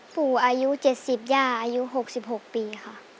ปู่อายุ๗๐ย่าอายุ๖๖ปีค่ะ